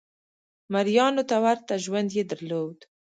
مریانو ته ورته ژوند یې درلود.